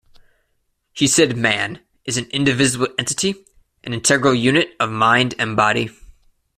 He said Man, is an indivisible entity, an integrated unit of mind and body.